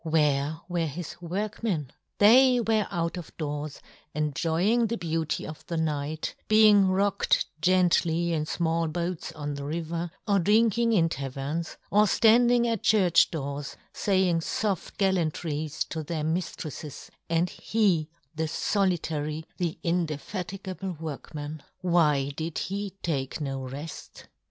Where were his workmen? They were out of doors enjoying the beauty of the night, being rocked gently in fmall boats on the river, or drinking in taverns, or ftanding at church doors faying foft gallantries to their miftrelTes, and he the folitary, the indefatigable workman, why did he take no reil